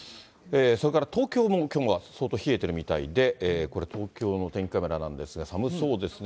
それから東京もきょうは相当冷えてるみたいで、これ、東京のお天気カメラなんですが、寒そうですね。